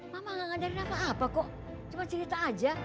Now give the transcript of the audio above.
mama gak ngajarin apa apa kok cuma cerita aja